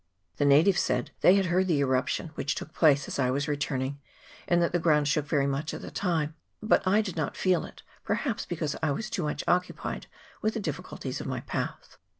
The natives said they had heard the eruption which took place as I was returning, arid that the ground shook very much at the time ; but I did not feel it, perhaps because I was too much occupied with the difficulties of my path."